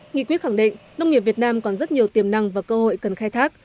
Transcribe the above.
nghị quyết khẳng định nông nghiệp việt nam còn rất nhiều tiềm năng và cơ hội cần khai thác